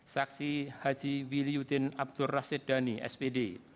saksi haji wiliuddin abdul rasidani spd